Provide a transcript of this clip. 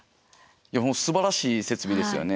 いやもうすばらしい設備ですよね。